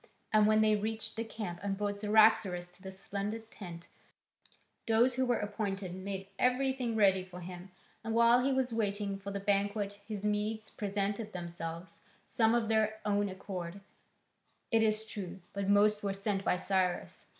And when they reached the camp and brought Cyaxares to the splendid tent, those who were appointed made everything ready for him, and while he was waiting for the banquet his Medes presented themselves, some of their own accord, it is true, but most were sent by Cyrus.